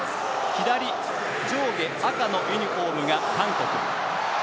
左上下、赤のユニフォームが韓国。